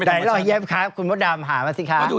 ใดรอยเย็บครับคุณมโต้ดำหามาสิค่ะ